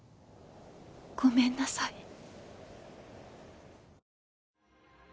ごめんなさい